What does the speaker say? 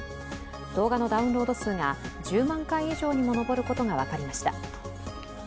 動画のダウンロード数が１０万回以上にも上ることが分かりました。